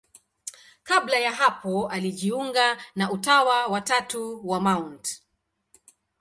Kabla ya hapo alijiunga na Utawa wa Tatu wa Mt.